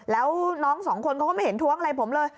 แล้วน้องสองคนเขาก็ไม่เห็นท้วงอะไรผมเลย